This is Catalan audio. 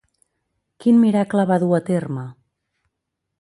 Quin miracle va dur a terme?